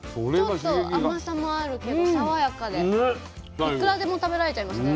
ちょっと甘さもあるけど爽やかでいくらでも食べられちゃいますね。